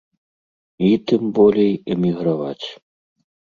І, тым болей, эміграваць.